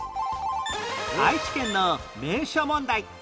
愛知県の名所問題